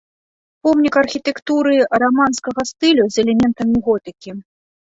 Помнік архітэктуры раманскага стылю з элементамі готыкі.